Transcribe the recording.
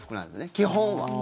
基本は。